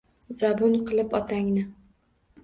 Zabun qilib otangni.